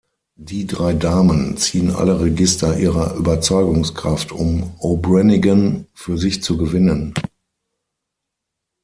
Die drei Damen ziehen alle Register ihrer Überzeugungskraft, um O’Brannigan für sich zu gewinnen.